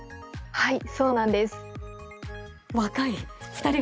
はい。